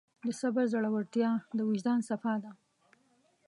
د صبر زړورتیا د وجدان صفا ده.